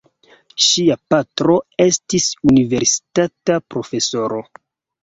Ŝia patro estis universitata profesoro.